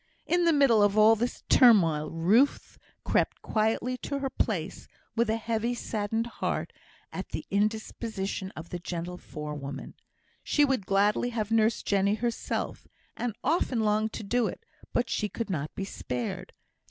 In the middle of all this turmoil, Ruth crept quietly to her place, with a heavy saddened heart at the indisposition of the gentle forewoman. She would gladly have nursed Jenny herself, and often longed to do it, but she could not be spared.